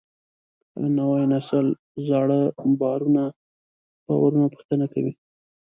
هر نوی نسل زاړه باورونه پوښتنه کوي.